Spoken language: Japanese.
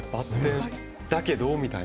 だけどみたいな。